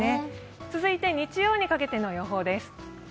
続いて日曜にかけての予報です。